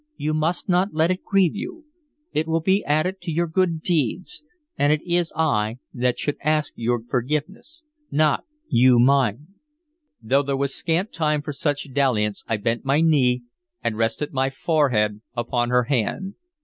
"You must not let it grieve you; it will be added to your good deeds. And it is I that should ask your forgiveness, not you mine." Though there was scant time for such dalliance, I bent my knee and rested my forehead upon her hand.